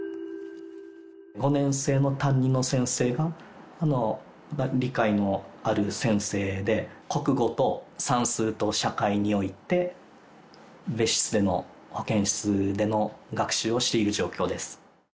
５年生の担任の先生が理解のある先生で、国語と算数と社会において、別室での保健室での学習をしている状況です。